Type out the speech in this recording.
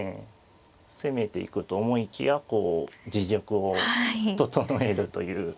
攻めていくと思いきやこう自玉を整えるという。